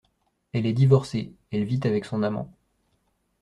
Elle est divorcée ; elle vit avec son amant.